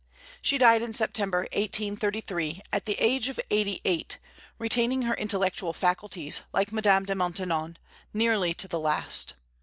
She died in September, 1833, at the age of eighty eight, retaining her intellectual faculties, like Madame de Maintenon, nearly to the last.